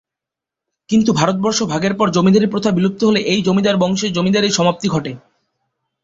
কিন্তু ভারতবর্ষ ভাগের পর জমিদারী প্রথা বিলুপ্ত হলে এই জমিদার বংশের জমিদারীর সমাপ্তি ঘটে।